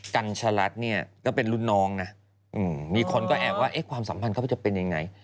กัญชลัดเนี่ยก็เป็นรุ่นน้องนะมีคนก็แอบว่าความสัมพันธ์เข้าไปจะเป็นยังไง